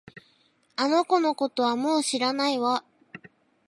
あの子のことはもう知らないわ